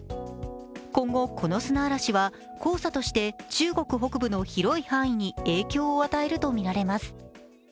今後この砂嵐は黄砂として中国北部の広い範囲に影響を与えるとみられます。